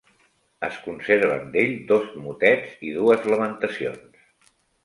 Es conserven d'ell dos motets i dues lamentacions.